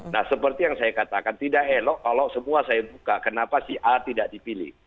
nah seperti yang saya katakan tidak elok kalau semua saya buka kenapa si a tidak dipilih